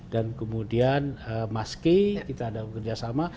dan kemudian mas k kita ada bekerjasama